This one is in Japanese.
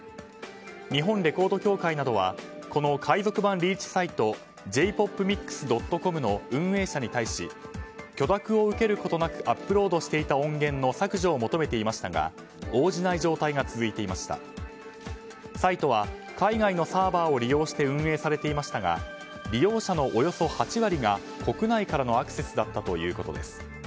日本レコード協会などは海賊版リーチサイトｊｐｏｐｍｉｘ．ｃｏｍの運営者に対し許諾を受けることなくアップロードをしていた音源の削除を求めていましたが応じない状態が続いていてサイトは海外のサーバーを利用して運営されていましたが利用者のおよそ８割が国内からのアクセスだったということです。